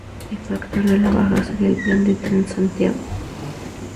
El factor de la baja sería el plan Transantiago.